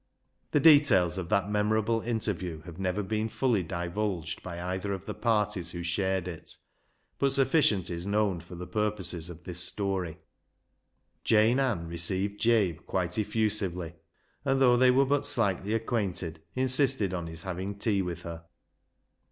The details of that memorable interview have never been fully divulged by either of the parties who shared it, but sufficient is known for the purposes of this story. Jane Ann received Jabe quite effusively, and, though they were but slightly acquainted, insisted on his having tea with her.